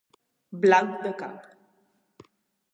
Blanc de cap.